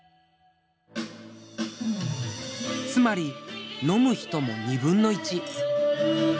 つまり飲む人も２分の１。